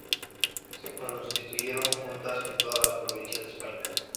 Se constituyeron juntas en todas las provincias de España.